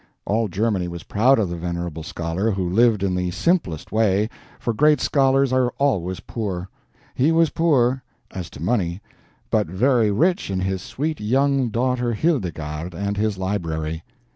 All Germany was proud of the venerable scholar, who lived in the simplest way, for great scholars are always poor. He was poor, as to money, but very rich in his sweet young daughter Hildegarde and his library.